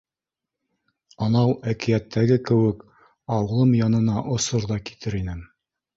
? Анау әкиәттәге кеүек, ауылым янына осор ҙа китер инем.